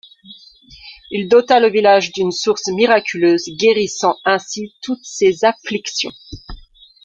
Il dota le village d’une source miraculeuse guérissant ainsi toutes ces afflictions.